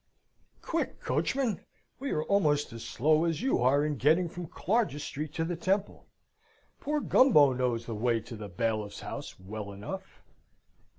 Quick, coachman! We are almost as slow as you are in getting from Clarges Street to the Temple. Poor Gumbo knows the way to the bailiff's house well enough.